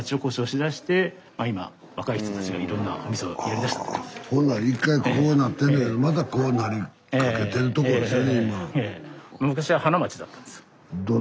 にほんなら一回こうなってたけどまたこうなりかけてるとこですよね